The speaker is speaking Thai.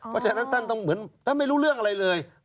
เพราะฉะนั้นท่านต้องเหมือนท่านไม่รู้เรื่องอะไรเลย